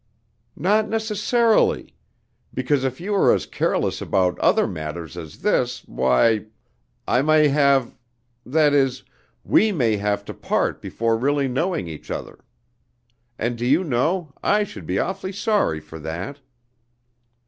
"Not necessarily; because if you are as careless about other matters as this, why I may have that is, we may have to part before really knowing each other, and do you know, I should be awfully sorry for that."